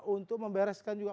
untuk membereskan juga